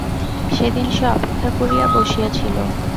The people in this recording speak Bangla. সেদিন সে অপেক্ষা করিয়া বসিয়া ছিল।